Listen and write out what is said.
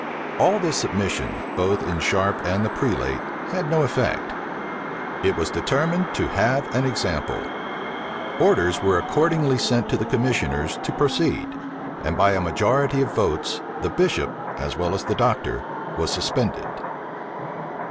All this submission, both in Sharpe and the prelate, had no effect: it was determined to have an example: orders were accordingly sent to the commissioners to proceed: and by a majority of votes, the bishop, as well as the doctor, was suspended.